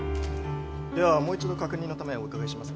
ではもう一度確認のためお伺いしますね。